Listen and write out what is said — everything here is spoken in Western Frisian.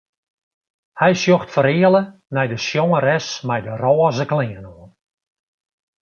Hy sjocht fereale nei de sjongeres mei de rôze klean oan.